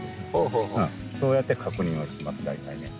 そうやって確認をします大体ね。